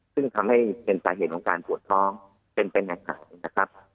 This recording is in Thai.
ซึ่งทำให้เป็นสาเหตุของการปวดท้องเป็นอย่างหายนะครับ